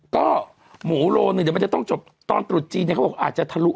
ก็หมูโลหนึ่งเดี๋ยวมันจะต้องจบตอนตรุษจีนเนี่ยเขาบอกอาจจะทะลุ